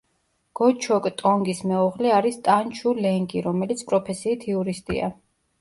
გო ჩოკ ტონგის მეუღლე არის ტან ჩუ ლენგი, რომელიც პროფესიით იურისტია.